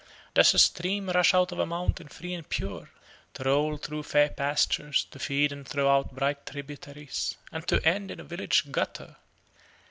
does a stream rush out of a mountain free and pure, to roll through fair pastures, to feed and throw out bright tributaries, and to end in a village gutter?